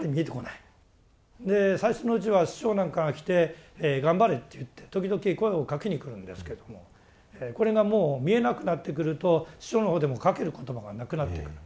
で最初のうちは師匠なんかが来て頑張れって言って時々声をかけに来るんですけどもこれがもう見えなくなってくると師匠のほうでもかける言葉がなくなってくる。